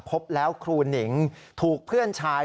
พบแล้วครูหนิงถูกเพื่อนชาย